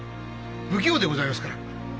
不器用でございますから。